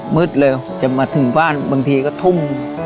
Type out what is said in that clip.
มืดเลยจะมาถึงบ้านบางทีก็ทุ่ม